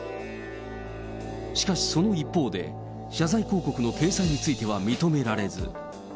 しかしその一方で、謝罪広告の掲載については認められず。